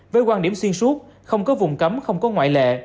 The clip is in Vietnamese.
với quan điểm xuyên suốt không có vùng cấm không có ngoại lệ